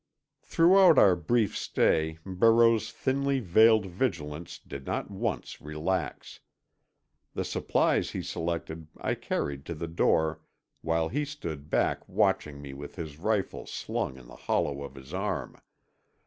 Throughout our brief stay Barreau's thinly veiled vigilance did not once relax. The supplies he selected I carried to the door while he stood back watching me with his rifle slung in the hollow of his arm.